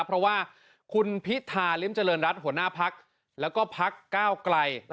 เพราะว่าคุณพิธาริมเจริญรัฐหัวหน้าพักแล้วก็พักก้าวไกล